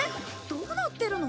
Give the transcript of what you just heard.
どうなってるの？